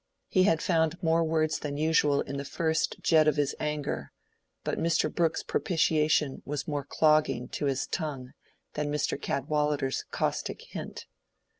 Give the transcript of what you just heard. He had found more words than usual in the first jet of his anger, but Mr. Brooke's propitiation was more clogging to his tongue than Mr. Cadwallader's caustic hint.